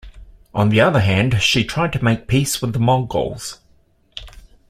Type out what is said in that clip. On the other hand, she tried to make peace with the Mongols.